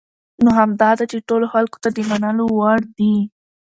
نو همدا ده چې ټولو خلکو ته د منلو وړ دي .